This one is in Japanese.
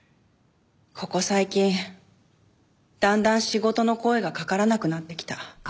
ここ最近だんだん仕事の声がかからなくなってきた。